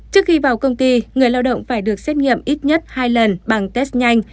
trước khi vào công ty người lao động phải được xét nghiệm ít nhất hai lần bằng test nhanh